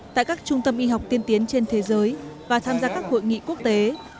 tại các trung tâm y học tiên tiến trên thế giới và tham gia các hội nghị quốc tế